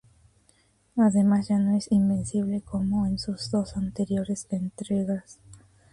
Además ya no es invencible como en sus dos anteriores entregas.